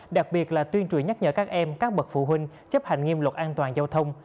đặc biệt là tuyên truyền nhắc nhở các em các bậc phụ huynh chấp hành nghiêm luật an toàn giao thông